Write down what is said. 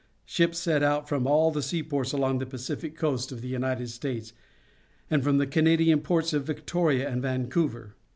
Ships set out from all the seaports along the Pacific coast of the United States, and from the Canadian ports of Victoria and Vancouver.